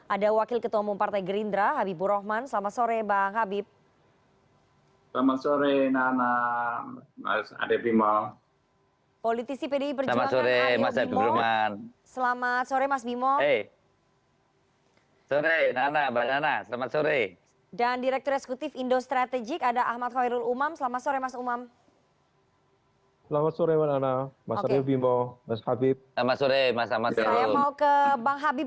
ada wakil ketum umum partai gerindra habibur rahman selamat sore bang habib